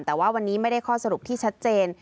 แต่ว่าวันนี้ไม่ได้ข้อสรุปที่ชัดเจน